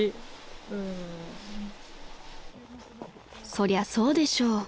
［そりゃそうでしょう］